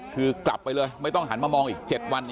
คือกลับไปเลยไม่ต้องหันมามองอีก๗วัน